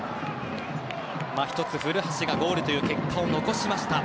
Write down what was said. １つ、古橋がゴールという結果を残しました。